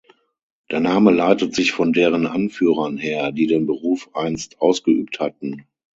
Der Name leitet sich von deren Anführern her, die den Beruf einst ausgeübt hatten.